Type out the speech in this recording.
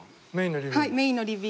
はい。